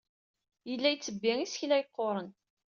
Yella yettebbi isekla yeqquren.